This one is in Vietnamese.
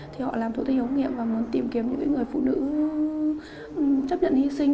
thì họ làm thủ thi hiếu nghiệm và muốn tìm kiếm những người phụ nữ chấp nhận hy sinh